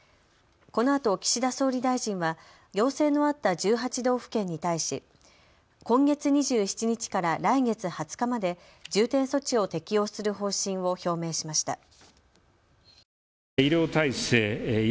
このあと岸田総理大臣は要請のあった１８道府県に対し今月２７日から来月２０日まで重点措置を適用する方針を表明しました。